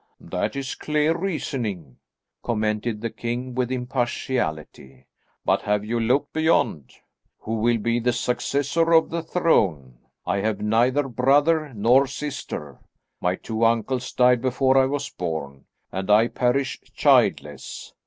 "That is clear reasoning," commented the king with impartiality, "but have you looked beyond? Who will be the successor of the throne? I have neither brother nor sister; my two uncles died before I was born, and I perish childless.